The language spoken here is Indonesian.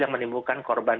yang menimbulkan korban